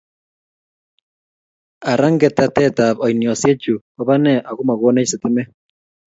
ara ngetatetap oinoshechu kopane akomakonech sitimet